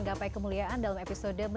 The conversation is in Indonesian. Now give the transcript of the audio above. gapai kemuliaan dalam episode